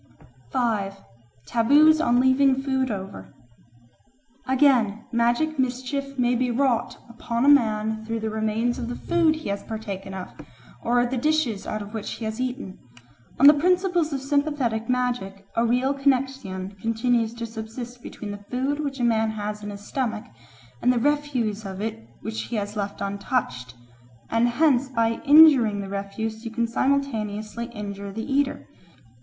5. Taboos on Leaving Food over AGAIN, magic mischief may be wrought upon a man through the remains of the food he has partaken of, or the dishes out of which he has eaten. On the principles of sympathetic magic a real connexion continues to subsist between the food which a man has in his stomach and the refuse of it which he has left untouched, and hence by injuring the refuse you can simultaneously injure the eater.